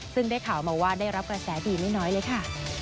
ซึ่งได้ข่าวมาว่าได้รับกระแสดีไม่น้อยเลยค่ะ